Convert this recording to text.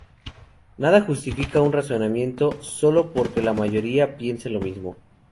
Nada justifica un razonamiento sólo porque la mayoría piense lo mismo.